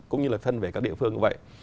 cũng như là phân về các địa phương như vậy